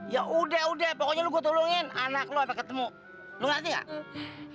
ya udah udah pokoknya gue tolongin anak lu ketemu lu ngerti nggak